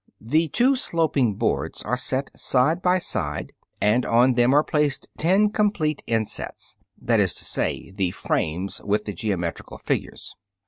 The two sloping boards are set side by side, and on them are placed ten complete "insets," that is to say, the frames with the geometrical figures.